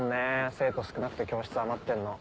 生徒少なくて教室余ってんの。